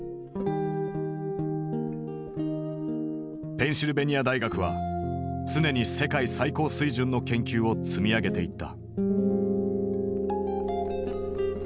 ペンシルベニア大学は常に世界最高水準の研究を積み上げていった。